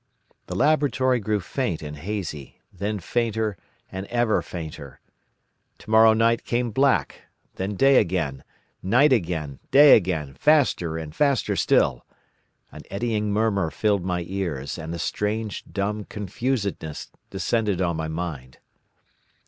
The laboratory grew faint and hazy, then fainter and ever fainter. Tomorrow night came black, then day again, night again, day again, faster and faster still. An eddying murmur filled my ears, and a strange, dumb confusedness descended on my mind.